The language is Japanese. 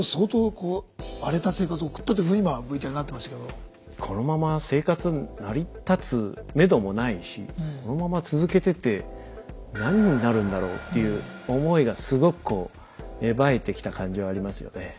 このまま生活成り立つめどもないしこのまま続けてて何になるんだろうっていう思いがすごくこう芽生えてきた感じはありますよね。